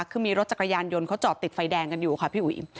คือมีรถจักรยานยนต์เขาจอดติดไฟแดงกันอยู่ค่ะพี่อุ๋ย